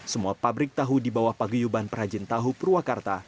semua pabrik tahu di bawah pagiuban perhajin tahu purwakarta